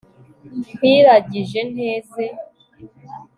nkwiragije, nteze